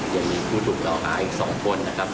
ยังมีผู้ถูกกล่าวหาอีก๒คนนะครับ